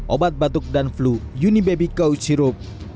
obat batuk dan flu unibaby couch sirup